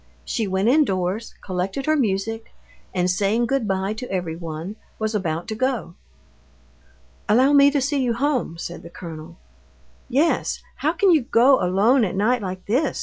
She went indoors, collected her music, and saying good bye to everyone, was about to go. "Allow me to see you home," said the colonel. "Yes, how can you go alone at night like this?"